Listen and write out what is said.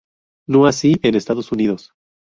No así en Estados Unidos.